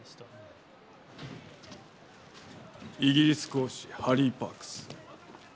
イギリス公使ハリー・パークス。